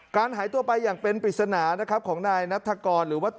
หายตัวไปอย่างเป็นปริศนานะครับของนายนัฐกรหรือว่า